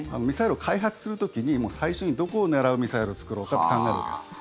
ミサイルを開発する時に最初にどこを狙うミサイルを作ろうかと考えるわけです。